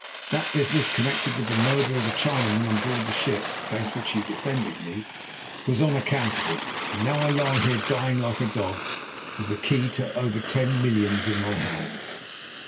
That business connected with the murder of the Chinaman on board the ship, against which you defended me, was on account of it. And now I lie here dying like a dog, with the key to over ten millions in my hand.